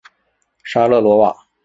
沙勒罗瓦。